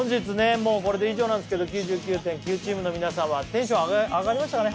もうこれで以上なんですけど９９．９チームの皆さんはテンション上がりましたかね？